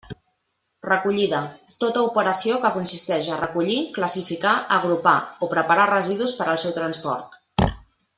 Recollida; tota operació que consisteix a recollir, classificar, agrupar o preparar residus per al seu transport.